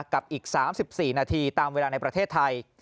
กับอีก๓๔นาทีตามเวลาในประเทศไทย